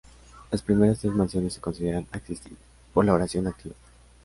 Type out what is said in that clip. Las primeras tres mansiones se consideran accesibles por la oración activa.